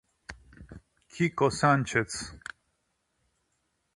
Kiko Sánchez